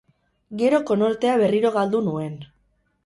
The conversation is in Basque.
Gero konortea berriro galdu nuen.